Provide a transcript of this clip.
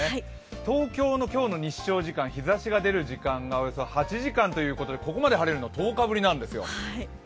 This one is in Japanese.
東京の今日の日照時間、日差しが出る時間がおよそ８時間ということで、ここまで晴れるの、１０日ぶりなんですよ。